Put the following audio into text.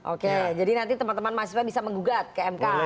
oke jadi nanti teman teman mahasiswa bisa menggugat ke mk